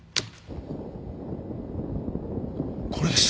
これです。